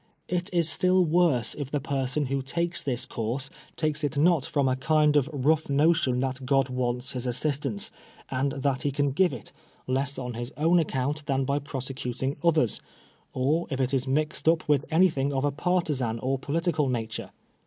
It is sml worse if the person who takes this course takes it not from a kind of rough notion that God wants his assistance, and that he can give it — less on his own account than by prosecuting others — or if it is mixed up with anything of a partisan or political nature.